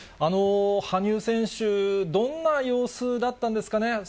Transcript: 羽生選手、どんな様子だったんですかね。